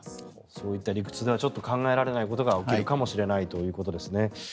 そういった理屈ではちょっと考えられないことが起きるかもしれないということですね。